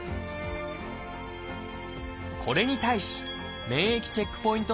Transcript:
これに対し免疫チェックポイント